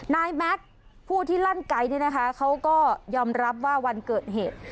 แม็กซ์ผู้ที่ลั่นไกด์เนี่ยนะคะเขาก็ยอมรับว่าวันเกิดเหตุ